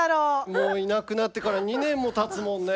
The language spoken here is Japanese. もういなくなってから２年もたつもんね。